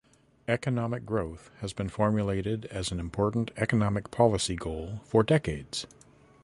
Economic growth has been formulated as an important economic policy goal for decades.